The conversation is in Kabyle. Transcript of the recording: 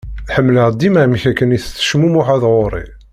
Ḥemmleɣ dima amek akken i d-tettecmumuḥeḍ ɣur-i.